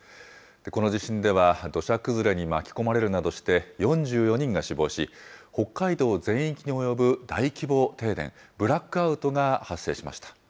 この地震では、土砂崩れに巻き込まれるなどして４４人が死亡し、北海道全域に及ぶ大規模停電、ブラックアウトが発生しました。